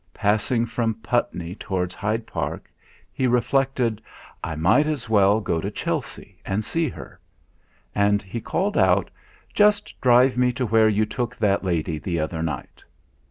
Passing from Putney towards Hyde Park he reflected: 'I might as well go to Chelsea and see her.' And he called out: "Just drive me to where you took that lady the other night."